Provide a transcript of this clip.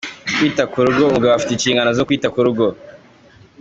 Kwita ku rugo : umugabo afite inshingano zo kwita ku rugo.